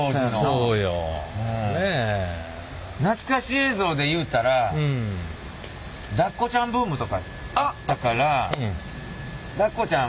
懐かし映像でいうたらダッコちゃんブームとかあったからダッコちゃん